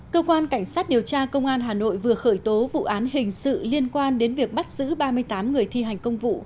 cơ quan cảnh sát điều tra công an hà nội vừa khởi tố vụ án hình sự liên quan đến việc bắt giữ ba mươi tám người thi hành công vụ